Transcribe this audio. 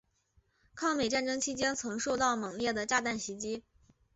抗美战争期间曾受到猛烈的炸弹袭击。